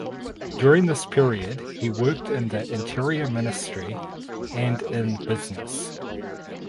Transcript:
During this period he worked in the Interior Ministry and in business.